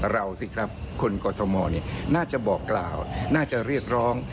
เราสิครับคนกรทมน่าจะบอกกล่าวน่าจะเรียกร้อง